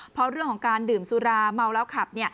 เพราะเรื่องของการดื่มสุราเมาแล้วขับ